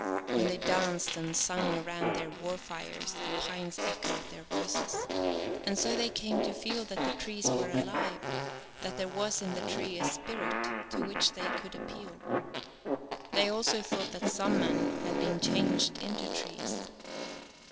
When they danced and sung round their warfires the pines echoed their voices. And so they came to feel that the trees were alive, that there was in the tree a spirit to which they could appeal. They also thought that some men had been changed into trees.